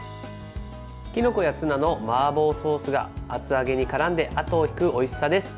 きのこやツナのマーボーソースが厚揚げにからんであとを引くおいしさです。